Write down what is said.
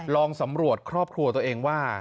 ลองสำรวจครอบครัวตัวเองว่า